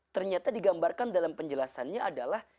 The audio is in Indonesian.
ternyata digambarkan dalam penjelasannya adalah